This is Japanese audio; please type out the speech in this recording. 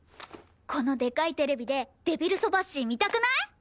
このでかいテレビでデビルそばっしー見たくない？